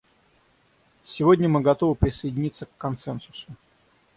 Сегодня мы готовы присоединиться к консенсусу.